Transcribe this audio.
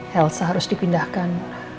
helsa harus dipindahkan